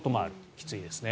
きついですね。